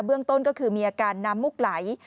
เรื่องต้นก็คือมีอาการน้ำมูกไหล